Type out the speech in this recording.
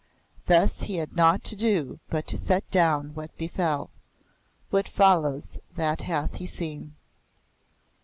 Thus he had naught to do but to set down what befell. What follows, that hath he seen.